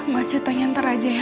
maca tangan teraja ya